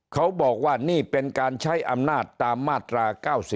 เขาบอกว่านี่เป็นการใช้อำนาจตามมาตรา๙๔